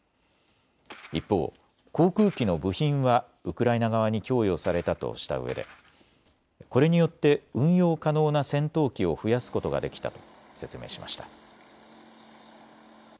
一方、航空機の部品はウクライナ側に供与されたとしたうえでこれによって運用可能な戦闘機を増やすことができたと説明しました。